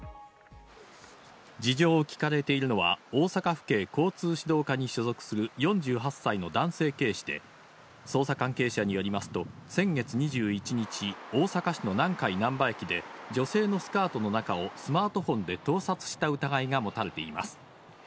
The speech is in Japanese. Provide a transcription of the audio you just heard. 事情を聞かれているのは、大阪府警交通指導課に所属する４８歳の男性警視で、捜査関係者によりますと、先月２１日、大阪市の南海なんば駅で女性のスカートの中をスマートフォンで盗撮した疑いが持たれています。